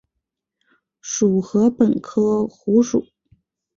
属禾本科菰属。